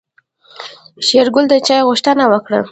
شېرګل د چاي غوښتنه وکړه.